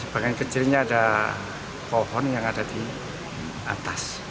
bagian kecilnya ada pohon yang ada di atas